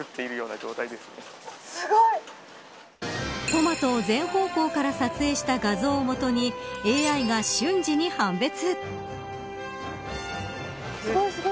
トマトを全方向から撮影した画像を元にＡＩが瞬時に判別。